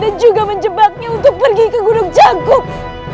dan juga menjebaknya untuk pergi ke gunung cakup